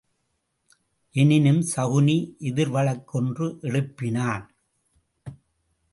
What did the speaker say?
எனினும் சகுனி எதிர் வழக்கு ஒன்று எழுப்பினான்.